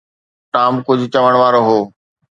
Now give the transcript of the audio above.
Tom ڪجهه چوڻ وارو هو.